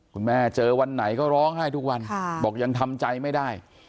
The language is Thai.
เจอวันไหนก็ร้องไห้ทุกวันบอกยังทำใจไม่ได้